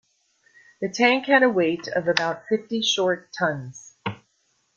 The tank had a weight of about fifty short tons.